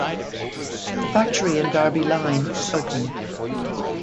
The factory in Derby Line is open.